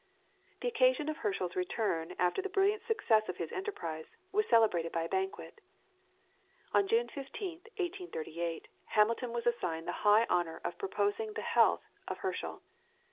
The occasion of Herschel's return after the brilliant success of his enterprise, was celebrated by a banquet. On June 15th, 1838, Hamilton was assigned the high honour of proposing the health of Herschel.